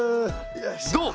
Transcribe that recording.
どう？